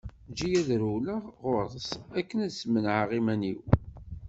Eǧǧ-iyi ad rewleɣ ɣur-s, akken ad smenɛeɣ iman-iw.